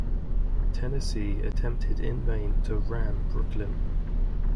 "Tennessee" attempted in vain to ram "Brooklyn".